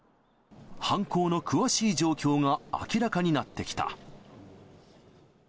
犯行の詳しい状況が明らかになってきた。